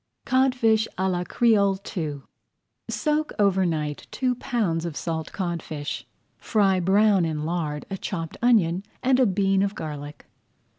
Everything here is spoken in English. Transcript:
CODFISH À LA CREOLE II Soak over night two pounds of salt codfish. Fry brown in lard a chopped onion and a bean of garlic.